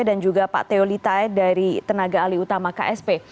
dan juga pak teo litai dari tenaga alih utama ksp